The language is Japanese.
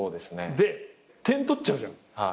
で点取っちゃうじゃん。